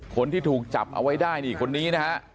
คนที่ถูกจับเอาไว้ได้นี่คนนี้นะฮะ